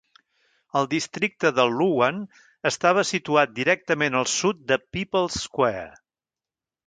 El districte de Luwan estava situat directament al sud de People"s Square.